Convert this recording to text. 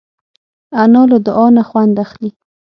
انا له دعا نه خوند اخلي